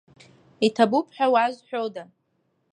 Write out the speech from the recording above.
Иҭабуп ҳәа уазҳәода?